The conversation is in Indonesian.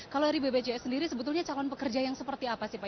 kalau dari bpjs sendiri sebetulnya calon pekerja yang seperti apa sih pak